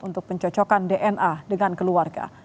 untuk pencocokan dna dengan keluarga